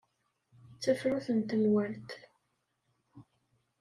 D tafrut n tenwalt.